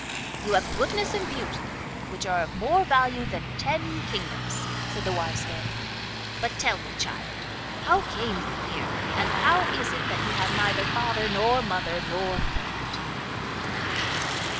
'You have goodness and beauty, which are of more value than ten kingdoms,' said the wise Fairy. 'But tell me, child, how came you here, and how is it you have neither father, nor mother, nor friend?